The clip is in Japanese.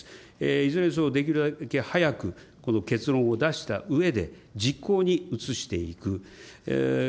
いずれにせよできるだけ早くこの結論を出したうえで、実行に移していく。